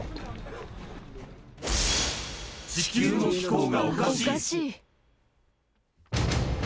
地球の気候がおかしい。